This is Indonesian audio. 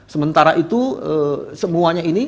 sementara itu semuanya ini